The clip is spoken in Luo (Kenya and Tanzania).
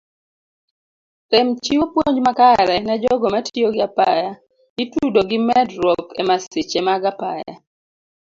Rem chiwo puonj makare nejogo matiyo gi apaya itudo gi medruok emasiche mag apaya.